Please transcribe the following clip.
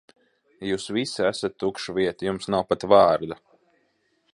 Jūs visi esat tukša vieta, jums nav pat vārda.